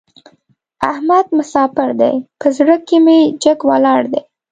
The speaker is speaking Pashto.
احمد مساپر دی؛ په زړه کې مې جګ ولاړ دی.